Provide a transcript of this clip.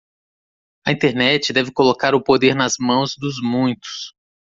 A Internet deve colocar o poder nas mãos dos muitos